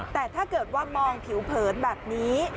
แต่ถ้าเกิดว่ามองผิวเผินแบบนี้